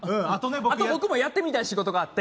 僕もやってみたい仕事があって。